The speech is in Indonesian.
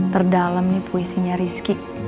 terdalam nih puisinya rizky